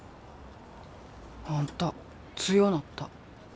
あんた強なった。